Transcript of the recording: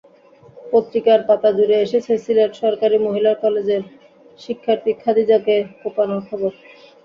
পত্রিকার পাতাজুড়ে এসেছে সিলেট সরকারি মহিলা কলেজের শিক্ষার্থী খাদিজাকে কোপানোর খবর।